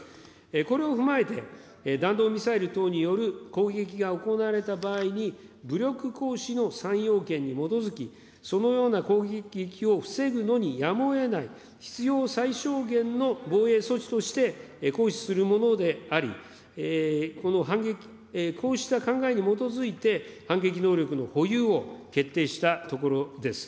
これを踏まえて、弾道ミサイル等による攻撃が行われた場合に、武力行使の３要件に基づき、そのような攻撃を防ぐのにやむをえない必要最小限の防衛措置として行使するものであり、こうした考えに基づいて、反撃能力の保有を決定したところです。